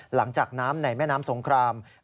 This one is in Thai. หลังจากน้ำในแม่น้ำสงคราม